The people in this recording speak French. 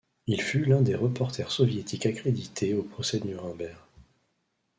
Il fut l'un des reporters soviétiques accrédité au procès de Nuremberg.